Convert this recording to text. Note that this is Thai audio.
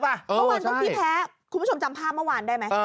เมื่อวานตรงที่แพ้คุณผู้ชมจำภาพเมื่อวานได้ไหม